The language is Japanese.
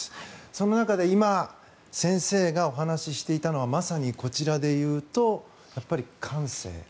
その中で、今先生がお話していただのはまさにこちらでいうとやっぱり感性。